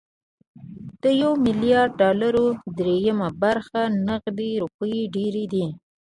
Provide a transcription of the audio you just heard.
د يو ميليارد ډالرو درېيمه برخه نغدې روپۍ ډېرې دي.